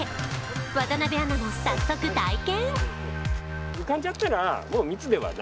渡部アナも早速体験。